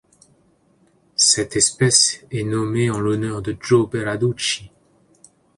Cette espèce est nommée en l'honneur de Joe Beraducci.